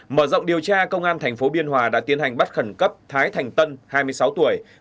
mở rộng điều tra công an tp biên hòa đã tiến hành bắt khẩn cấp thái thành tân hai mươi sáu tuổi